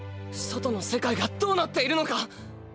外の世界がどうなっているのか。